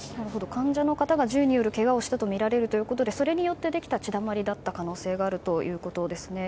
患者の方が銃によるけがをしたとみられるということでそれによってできた血だまりの可能性があるということですね。